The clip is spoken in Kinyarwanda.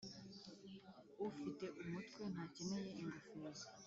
ufite umutwe ntakeneye ingofero.